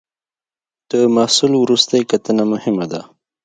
د محصول وروستۍ کتنه مهمه ده.